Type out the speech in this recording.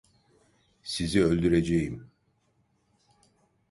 Sizi öldüreceğim!